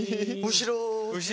後ろ。